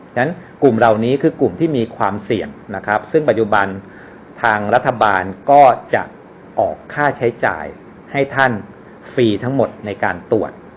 ฉะนั้นกลุ่มเหล่านี้คือกลุ่มที่มีความเสี่ยงนะครับซึ่งปัจจุบันทางรัฐบาลก็จะออกค่าใช้จ่ายให้ท่านฟรีทั้งหมดในการตรวจ